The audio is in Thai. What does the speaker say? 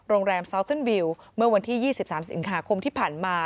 โรงแรมซาวเติ้ลวิวเมื่อวันที่๒๓สิงหาคมที่ผ่านมา